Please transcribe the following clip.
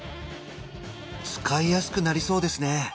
使いやすくなりそうですね